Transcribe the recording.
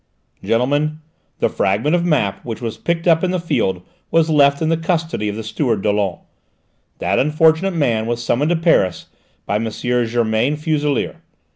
"Gentlemen, the fragment of map which was picked up in the field was left in the custody of the steward Dollon. That unfortunate man was summoned to Paris by M. Germain Fuselier.